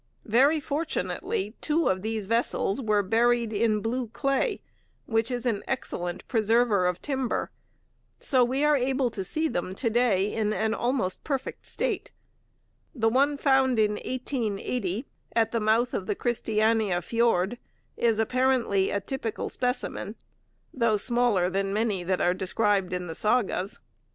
Very fortunately two of these vessels were buried in blue clay, which is an excellent preserver of timber; so we are able to see them to day in an almost perfect state. The one found in 1880 at the mouth of the Christiania fjord is apparently a typical specimen, though smaller than many that are described in the sagas.